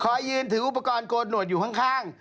ยืนถืออุปกรณ์โกนหนวดอยู่ข้าง